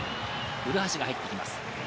古橋が入ってきます。